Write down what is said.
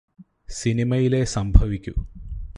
സിനിമയിലേ സംഭവിക്കൂ